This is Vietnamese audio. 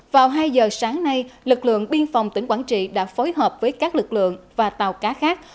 vào hai giờ sáng nay lực lượng biên phòng tỉnh quảng trị đã phối hợp với các lực lượng và tàu cá khác